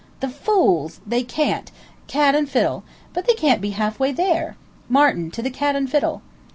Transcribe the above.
"The fools! They can't! Cat and Fiddle! But they can't be half way there. Martin, to the Cat and Fiddle!"